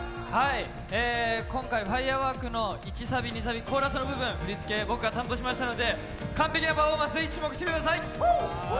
今回「ＦＩＲＥＷＯＲＫ」の１サビ、２サビ、コーラスの部分、僕が担当しましたので、完璧なパフォーマンスに注目してください！